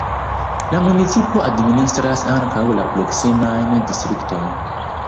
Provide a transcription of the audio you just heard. La municipo administras ankaŭ la proksimajn distriktojn.